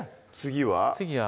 次は？